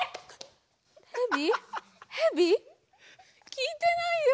聞いてないよ。